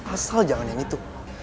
asal jangan yang itu